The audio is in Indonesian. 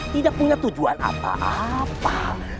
tidak punya tujuan apa apa